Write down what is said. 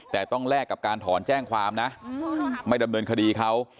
แต่ต้องแลกกับการถอนแจ้งความนะไม่ดำเนินคดีเขา